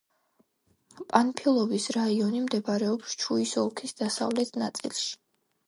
პანფილოვის რაიონი მდებარეობს ჩუის ოლქის დასავლეთ ნაწილში.